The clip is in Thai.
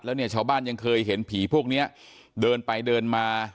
แล้วเนี่ยชาวบ้านยังเคยเห็นผีพวกเนี้ยเดินไปเดินมา